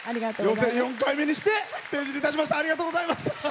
予選４回目にしてステージに立ちました。